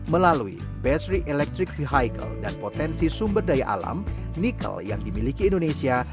melalui battery electric vehicle dan potensi sumber daya alam nikel yang dimiliki indonesia